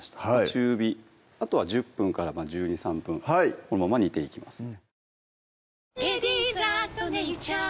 中火あとは１０分から１２１３分このまま煮ていきますね